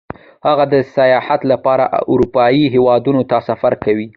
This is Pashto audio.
هغه د سیاحت لپاره اروپايي هېوادونو ته سفر کوي